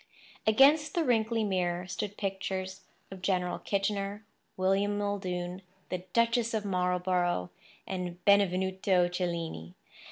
Against the wrinkly mirror stood pictures of General Kitchener, William Muldoon, the Duchess of Marlborough, and Benvenuto Cellini.